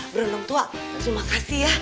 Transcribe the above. berenang tua terima kasih ya